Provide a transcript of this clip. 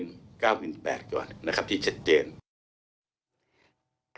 อย่างที่ตัดเรียก